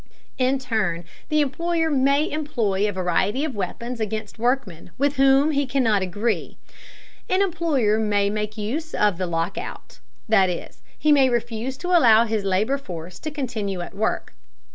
In turn, the employer may employ a variety of weapons against workmen with whom he cannot agree. An employer may make use of the lockout, that is, he may refuse to allow his labor force to continue at work.